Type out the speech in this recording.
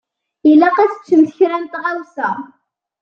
Ilaq ad teččemt kra n tɣawsa.